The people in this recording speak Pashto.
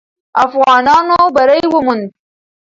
افغانانو بری وموند.